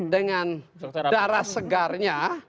dengan darah segarnya